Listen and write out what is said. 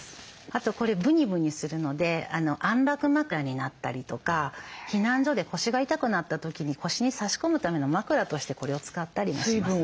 あとこれブニブニするので安楽枕になったりとか避難所で腰が痛くなった時に腰に差し込むための枕としてこれを使ったりもします。